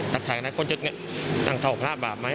ถ้าถ่ายกับนักความเจ็บนั่งเทาะข้างหน้าบาปไหม